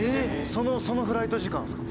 そのフライト時間ですか？